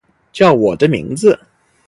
叫我的名字